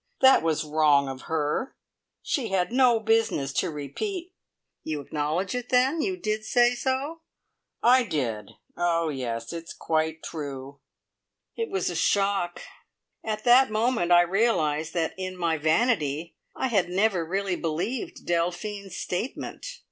That was wrong of her. She had no business to repeat " "You acknowledge it, then! You did say so?" "I did. Oh, yes. It's quite true." It was a shock. At that moment I realised that, in my vanity, I had never really believed Delphine's statement.